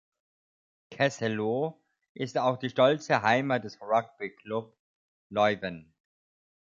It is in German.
Kessel-Lo ist auch die stolze Heimat des Rugby Club Leuven.